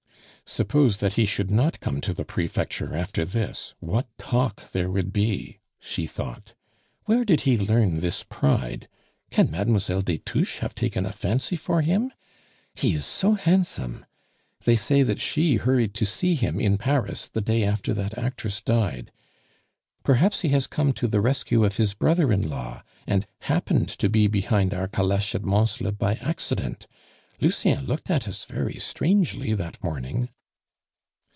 "Suppose that he should not come to the Prefecture after this, what talk there would be!" she thought. "Where did he learn this pride? Can Mlle. des Touches have taken a fancy for him? ... He is so handsome. They say that she hurried to see him in Paris the day after that actress died. ... Perhaps he has come to the rescue of his brother in law, and happened to be behind our caleche at Mansle by accident. Lucien looked at us very strangely that morning."